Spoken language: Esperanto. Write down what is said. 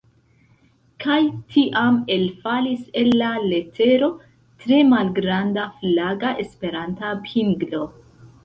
Kaj tiam elfalis el la letero tre malgranda flaga Esperanta pinglo.